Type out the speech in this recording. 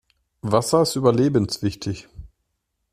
Wasser ist überlebenswichtig.